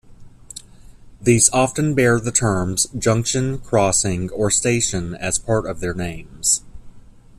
These often bear the terms "Junction", "Crossing" or "Station" as part of their names.